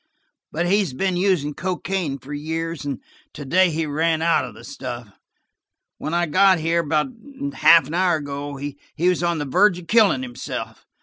But he has been using cocaine for years, and to day he ran out of the stuff. When I got here, about half an hour ago, he was on the verge of killing himself.